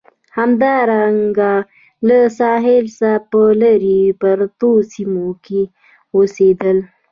همدارنګه له ساحل څخه په لرې پرتو سیمو کې اوسېدل.